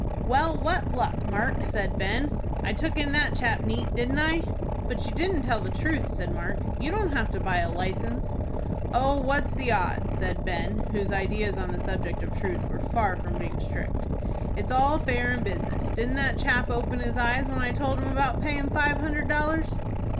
"Well, what luck, Mark?" said Ben. "I took in that chap neat, didn't I?" "But you didn't tell the truth," said Mark. "You don't have to buy a license." "Oh, what's the odds?" said Ben, whose ideas on the subject of truth were far from being strict. "It's all fair in business. Didn't that chap open his eyes when I told him about payin' five hundred dollars?"